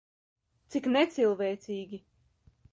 Cik necilvēcīgi.